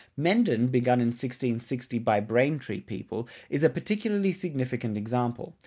Mendon, begun in 1660 by Braintree people, is a particularly significant example.